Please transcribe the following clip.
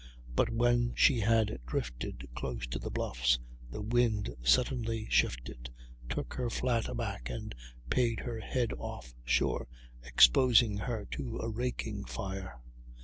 But when she had drifted close to the bluffs the wind suddenly shifted, took her flat aback and paid her head off shore, exposing her to a raking fire.